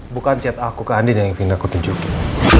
bukan chat aku ke andina yang ingin aku tunjukin